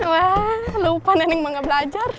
wah lupa neneng mau gak belajar